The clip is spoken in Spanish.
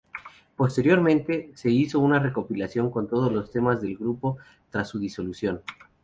Posteriormente, se hizo una recopilación con todos los temas del grupo tras su disolución.